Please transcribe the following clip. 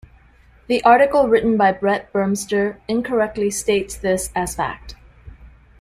The article written by Brett Burmster incorrectly states this as fact.